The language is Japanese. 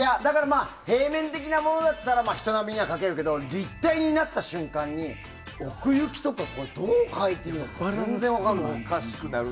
平面的なものだったら人並みには描けるけど立体になった瞬間に、奥行きとかどう描いていいのか全然分かんない。